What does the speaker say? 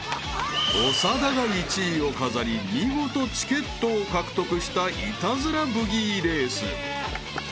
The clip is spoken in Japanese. ［長田が１位を飾り見事チケットを獲得したイタズラブギーレース］